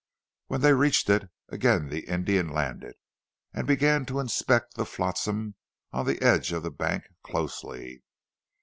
When they reached it, again the Indian landed, and began to inspect the flotsam on the edge of the bank closely.